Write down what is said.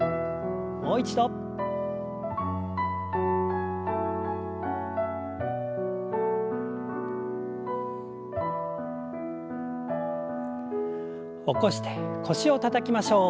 もう一度。起こして腰をたたきましょう。